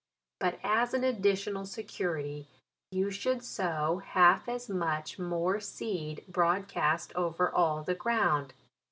But as an additional security, you should sow half as much more seed broadcast over all the ground.